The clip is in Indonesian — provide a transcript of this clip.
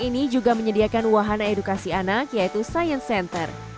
ini juga menyediakan wahana edukasi anak yaitu science center